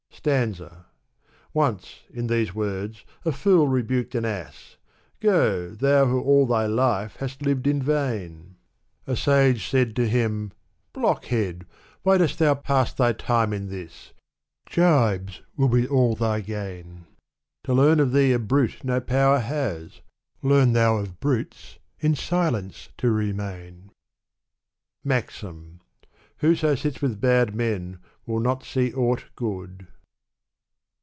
Stanza. Once, in these words, a fool rebuked an ass, — ''Go, thou who aU thy life hast lived in vain I" V.vJ. vC*'.V«. . V' 1. Digitized by Googk } Gulistan ; or. Rose Garden A sage said to him, ''Blockhead ! why dost pass Thy time in this? Gibes will be aU thy gain. To learn of thee a brute no power has : Learn thou of brutes in silence to remain/' MAXIM. Whoso sits with bad men will not see aught good.